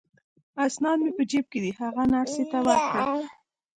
اسناد مې په جیب کې دي، هغه نرسې ته ورکړه.